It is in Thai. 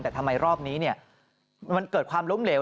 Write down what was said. แต่ทำไมรอบนี้มันเกิดความล้มเหลว